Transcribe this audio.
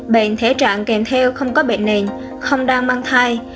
bệnh thể trạng kèm theo không có bệnh nền không đang mang thai